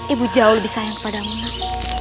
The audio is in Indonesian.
ibu jauh lebih sayang kepada ibu nak